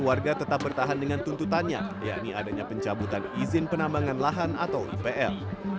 warga tetap bertahan dengan tuntutannya yakni adanya pencabutan izin penambangan lahan atau ipl